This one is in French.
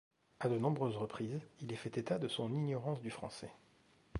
À de nombreuses reprises il est fait état de son ignorance du français.